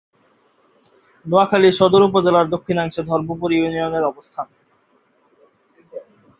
নোয়াখালী সদর উপজেলার দক্ষিণাংশে ধর্মপুর ইউনিয়নের অবস্থান।